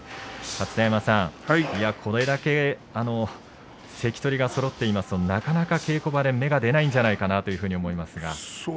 立田山さん、これだけ関取がそろっていますとなかなか稽古場で芽が出ないんじゃないかなそうですね